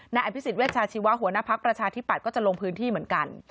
อภิษฎเวชาชีวะหัวหน้าภักดิ์ประชาธิปัตย์ก็จะลงพื้นที่เหมือนกัน